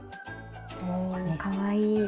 おかわいい！